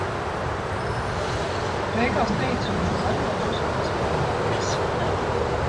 Beigās teicu, ka var vēl drusku paspēlēties.